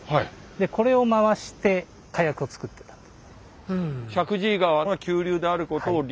でこれを回して火薬を作っていたと。